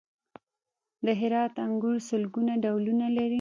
د هرات انګور سلګونه ډولونه لري.